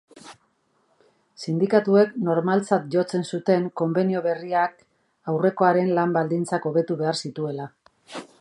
Sindikatuek normaltzat jotzen zuten konbenio berriak aurrekoaren lan-baldintzak hobetu behar zituela.